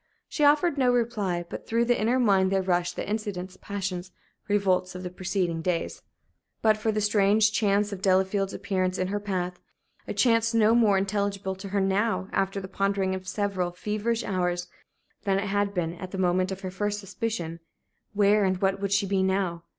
She offered no reply; but through the inner mind there rushed the incidents, passions, revolts of the preceding days. But for that strange chance of Delafield's appearance in her path a chance no more intelligible to her now, after the pondering of several feverish hours, than it had been at the moment of her first suspicion where and what would she be now?